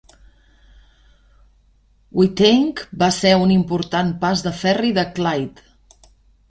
Whiteinch va ser un important pas de ferri de Clyde.